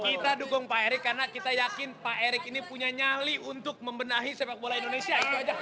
kita dukung pak eriq karena kita yakin pak eriq ini punya nyali untuk membenahi sepak bola indonesia